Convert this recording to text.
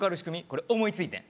これ思いついてん